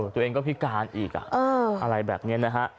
ตัวเองก็พิการอีกอะไรแบบนี้นะฮะ